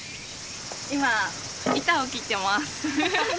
今板を切ってます。